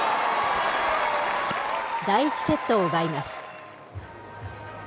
第１セットを奪います。